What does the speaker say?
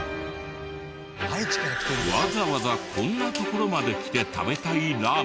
わざわざこんな所まで来て食べたいラーメンとは？